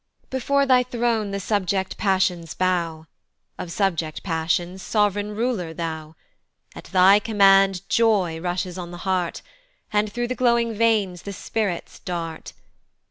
Before thy throne the subject passions bow, Of subject passions sov'reign ruler thou; At thy command joy rushes on the heart, And through the glowing veins the spirits dart.